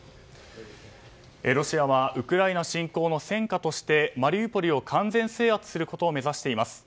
ロシアはウクライナ侵攻の戦果としてマリウポリを完全制圧することを目指しています。